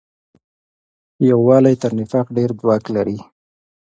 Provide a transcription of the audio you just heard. یووالی تر نفاق ډېر ځواک لري.